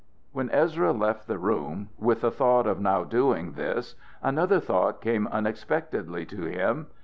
When Ezra left the room, with the thought of now doing this another thought came unexpectedly to him.